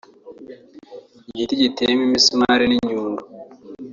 igiti giteyemo imisumari n’inyundo